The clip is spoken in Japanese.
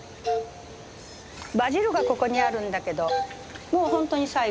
バジルがここにあるんだけどもう本当に最後。